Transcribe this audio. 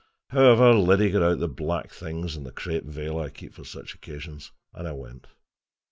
However, Liddy got out the black things and the crape veil I keep for such occasions, and I went.